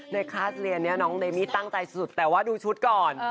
คลาสเรียนนี้น้องเมมี่ตั้งใจสุดแต่ว่าดูชุดก่อน